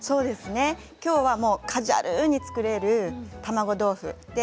きょうはカジュアルに作れる卵豆腐です。